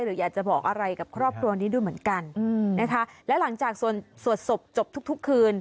หรืออยากจะบอกอะไรกับครอบครัวนี้ด้วยเหมือนกันนะคะและหลังจากสวดศพจบทุกทุกคืน